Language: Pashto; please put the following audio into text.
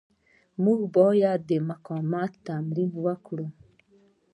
موږ باید د مقاومت تمرین وکړو.